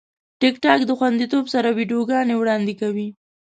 ټیکټاک د خوندیتوب سره ویډیوګانې وړاندې کوي.